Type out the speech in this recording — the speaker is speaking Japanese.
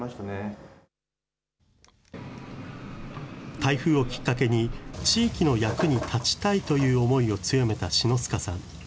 台風をきっかけに、地域の役に立ちたいという思いを強めた篠塚さん。